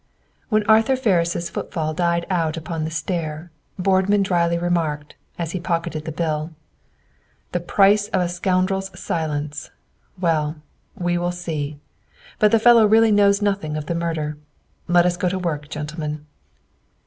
When Arthur Ferris' footfall died out upon the stair, Boardman drily remarked, as he pocketed the bill, "The price of a scoundrel's silence! Well, we will see! But the fellow really knows nothing of the murder! Let us go to work, gentlemen."